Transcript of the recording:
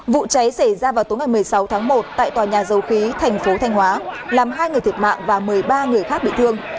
vụ cháy xảy ra vào tối ngày một mươi sáu tháng một tại tòa nhà dầu khí thành phố thanh hóa làm hai người thiệt mạng và một mươi ba người khác bị thương